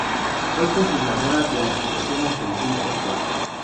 Fue cofundadora de la Asociación Argentina de Actores.